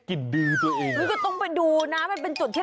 กลิ่นดือเป็นเหตุสังเกตได้